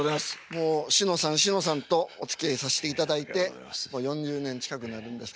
もうしのさんしのさんとおつきあいさせていただいてもう４０年近くになるんですかね。